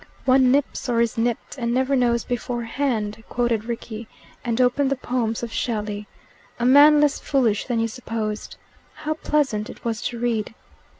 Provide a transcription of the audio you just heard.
"One nips or is nipped, and never knows beforehand," quoted Rickie, and opened the poems of Shelley, a man less foolish than you supposed. How pleasant it was to read!